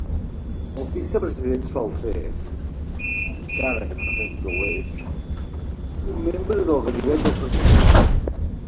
El vicepresident sol ser, encara que no sempre ho és, un membre del gabinet del president.